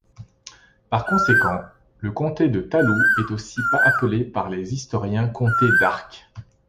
Par conséquent, le comté de Talou est aussi appelé par les historiens comté d'Arques.